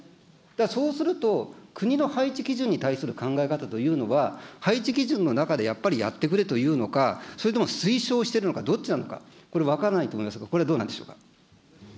だからそうすると、国の配置基準に対する考え方というのは、配置基準の中でやっぱりやってくれというのか、それとも推奨してるのか、どっちなのか、これ、分からないと思いますが、これ、どうなんでしょうか。